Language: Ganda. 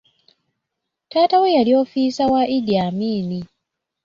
Taata we yali ofiisa wa Idi Amin.